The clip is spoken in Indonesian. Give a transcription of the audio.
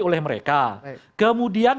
oleh mereka kemudian